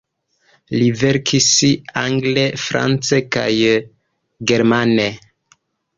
Li verkis angle, france kaj germane.